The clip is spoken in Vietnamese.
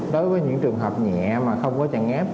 đối với những trường hợp nhẹ mà không có chèn ép